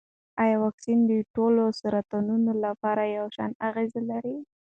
ایا واکسین د ټولو سرطانونو لپاره یو شان اغېز لري؟